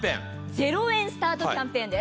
０円スタートキャンペーンです。